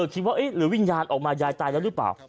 คิดว่าหรือวิญญาณออกมายายตายแล้วหรือเปล่า